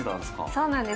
そうなんです。